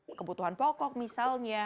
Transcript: menangani kebutuhan pokok misalnya